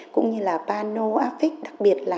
cũng như là pano afic đặc biệt là